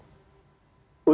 untuk sekolah tetap muka